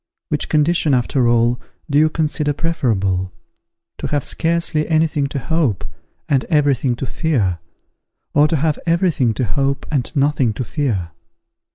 Which condition, after all, do you consider preferable, to have scarcely any thing to hope, and every thing to fear, or to have every thing to hope and nothing to fear?